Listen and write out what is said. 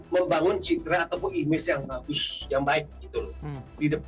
membangun citra ataupun image yang bagus yang baik gitu loh